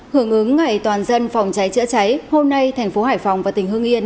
hưởng ứng ngày toàn dân phòng cháy chữa cháy hôm nay tp hải phòng và tỉnh hương yên